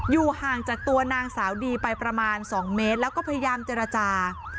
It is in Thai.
อยู่ห่างจากตัวนางสาวดีไปประมาณ๒เมตรแล้วก็พยายามเจรจา